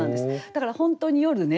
だから本当に夜ね